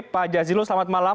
pak jazilul selamat malam